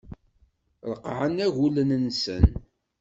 Reqqɛen agulen-nsen.